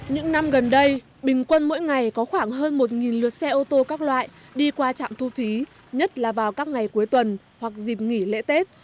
những năm gần đây bình quân mỗi ngày có khoảng hơn một lượt xe ô tô các loại đi qua trạm thu phí nhất là vào các ngày cuối tuần hoặc dịp nghỉ lễ tết